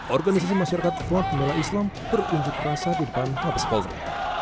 organisasi masyarakat flop melah islam berunjuk rasa di depan habis polri